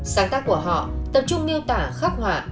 sáng tác của họ tập trung miêu tả khắc họa